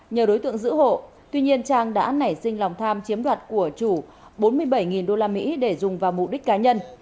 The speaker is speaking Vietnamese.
nhờ đối tượng giữ hộ tuy nhiên trang đã nảy sinh lòng tham chiếm đoạt của chủ bốn mươi bảy usd để dùng vào mục đích cá nhân